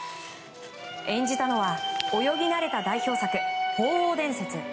演じたのは泳ぎなれた代表作「鳳凰伝説」。